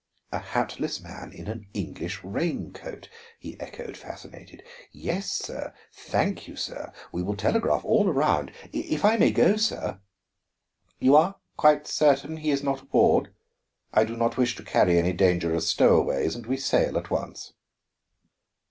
"A hatless man in an English rain coat," he echoed, fascinated. "Yes, sir, thank you, sir. We will telegraph all around. If I may go, sir " "You are quite certain he is not aboard? I do not wish to carry any dangerous stowaways, and we sail at once."